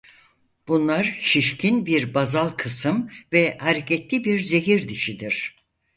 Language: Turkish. Bunlar şişkin bir bazal kısım ve hareketli bir zehir dişidir.